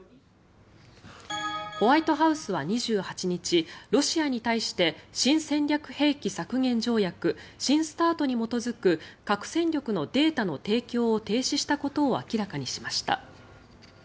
ホワイトハウスは２８日ロシアに対して新戦略兵器削減条約・新ＳＴＡＲＴに基づく核戦力のデータの提供を停止したことを明らかにしました。